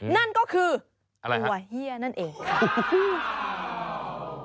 นั่นก็คือตัวเหี้ยนั่นเองครับค่ะอะไรครับ